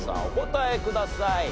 お答えください。